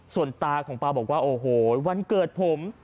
ส่วนตาของปลาบอกว่าโอ้โหวันเกิดผม